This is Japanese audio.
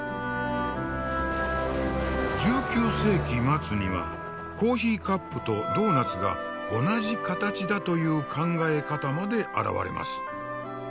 １９世紀末にはコーヒーカップとドーナツが同じ形だという考え方まで現れます。